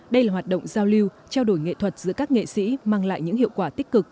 đây là hoạt động giao lưu trao đổi nghệ thuật giữa các nghệ sĩ mang lại những hiệu quả tích cực